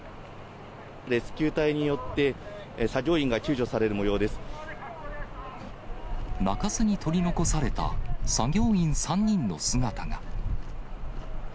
レスキュー隊によって作業員中州に取り残された作業員３人の姿が。